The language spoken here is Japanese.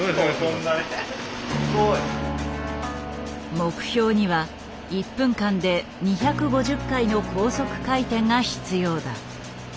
目標には１分間で２５０回の高速回転が必要だ。